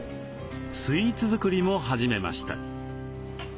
スイーツ作りも始めました。